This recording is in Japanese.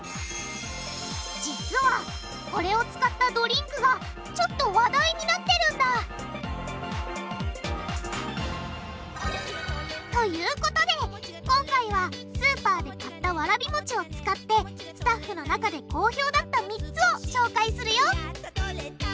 実はこれを使ったドリンクがちょっと話題になってるんだ！ということで今回はスーパーで買ったわらびもちを使ってスタッフの中で好評だった３つを紹介するよ！